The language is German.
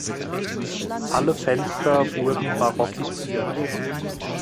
Alle Fenster wurden barockisiert.